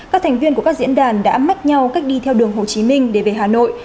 các thành viên của các diễn đàn đã mắc nhau cách đi theo đường hồ chí minh để về hà nội